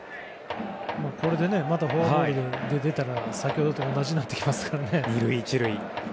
これでまたフォアボールで出たら先ほどと同じになってきますからね。